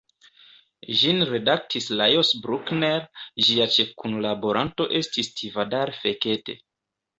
Ĝin redaktis Lajos Bruckner, ĝia ĉefkunlaboranto estis Tivadar Fekete.